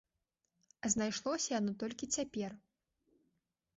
А знайшлося яно толькі цяпер!